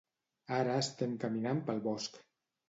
Ara estem caminant pel bosc.